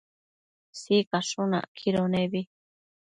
Sicashun acquido nebi